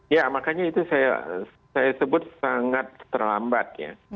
ya makanya itu saya sebut sangat terlambat ya